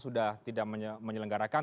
sudah tidak menyelenggarakan